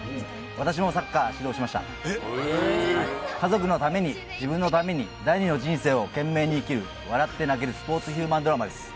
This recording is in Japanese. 私もサッカー指導しましたはい・えっ家族のために自分のために第二の人生を懸命に生きる笑って泣けるスポーツヒューマンドラマです